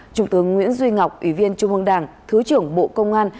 trung tướng nguyễn duy ngọc ủy viên trung ương đảng thứ trưởng bộ công an